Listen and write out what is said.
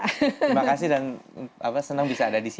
terima kasih dan senang bisa ada di sini